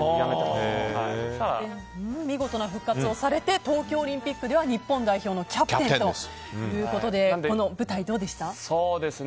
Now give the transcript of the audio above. それで見事な復活をされて東京オリンピックでは日本代表のキャプテンということでこの舞台、どうでした？